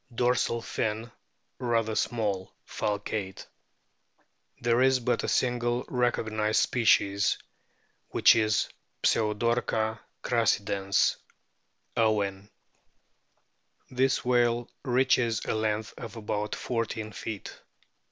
Dorsal fin rather small, falcate. There is but a single recognised species, which is Pseudorca crassidens, Owen. \ This whale reaches a length of about fourteen feet.